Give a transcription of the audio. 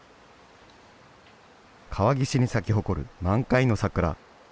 川岸に咲き誇る満開の桜。